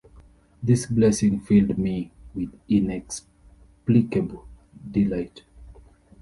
This blessing filled me with inexplicable delight.